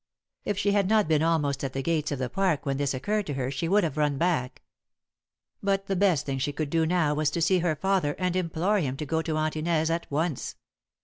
If she had not been almost at the gates of the park when this occurred to her she would have run back. But the best thing she could do now was to see her father and implore him to go to Aunt Inez at once.